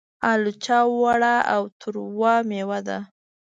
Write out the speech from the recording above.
الوچه وړه او تروه مېوه ده.